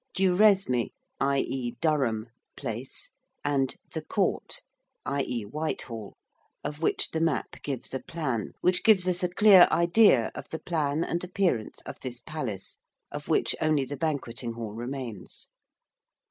Duresme i.e. Durham Place, and 'the Court' i.e. Whitehall of which the map gives a plan, which gives us a clear idea of the plan and appearance of this palace, of which only the Banqueting Hall remains.